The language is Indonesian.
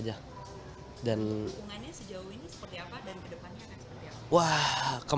jadi keinginannya sejauh ini seperti apa dan kedepannya seperti apa